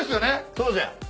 そうじゃ。